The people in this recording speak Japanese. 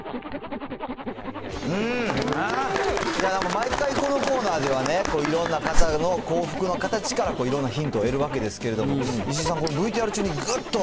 毎回このコーナーでは、いろんな方の幸福の形からいろんなヒントを得るわけですけれども、石井さん、このＶＴＲ中にぐっと。